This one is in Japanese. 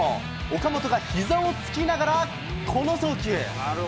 岡本がひざをつきながら、この送球。